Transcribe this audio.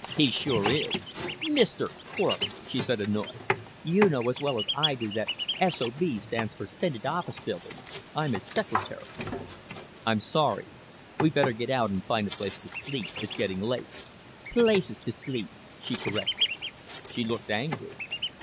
"He sure is." "Mister Cort!" she said, annoyed. "You know as well as I do that S.O.B. stands for Senate Office Building. I'm his secretary." "I'm sorry. We'd better get out and find a place to sleep. It's getting late." "Places to sleep," she corrected. She looked angry.